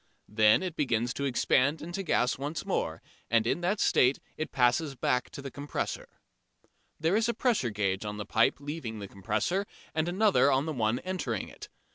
Then it begins to expand into gas once more, and in that state it passes back to the compressor. There is a pressure gauge on the pipe leaving the compressor and another on the one entering it.